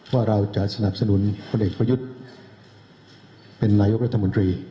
ว่าเราจะสนับสนุนพลเอกประยุทธ์เป็นนายกรัฐมนตรี